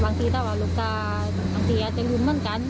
บางทีถ้าว่าหลวงตาบางทีอาจจะลุมเหมือนกัน